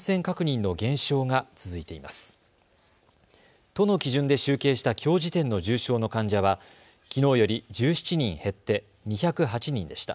都の基準で集計したきょう時点の重症の患者はきのうより１７人減って２０８人でした。